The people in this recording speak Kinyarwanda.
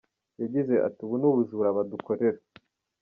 Yagize ati “Ubu ni ubujura badukorera.